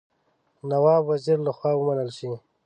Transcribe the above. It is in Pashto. نواب وزیر له خوا ومنل شي.